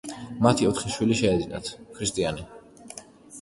მათი ოთხი შვილი შეეძინათ: ქრისტიანი.